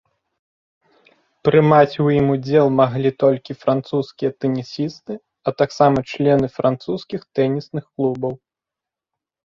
Прымаць у ім удзел маглі толькі французскія тэнісісты, а таксама члены французскіх тэнісных клубаў.